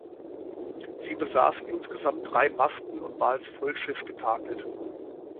Sie besaß insgesamt drei Masten und war als Vollschiff getakelt.